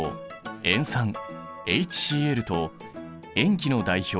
塩酸ＨＣｌと塩基の代表